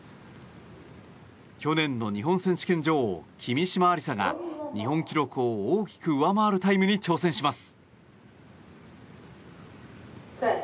去年の日本選手権女王君嶋愛梨沙が日本記録を大きく上回るタイムに挑戦します。